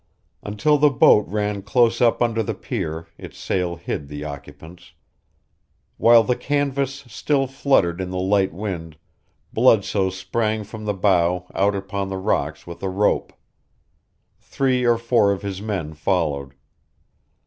Until the boat ran close up under the pier its sail hid the occupants. While the canvas still fluttered in the light wind Bludsoe sprang from the bow out upon the rocks with a rope. Three or four of his men followed.